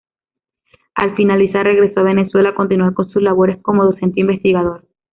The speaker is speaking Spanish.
Al finalizar, regresó a Venezuela a continuar con sus labores como docente investigador.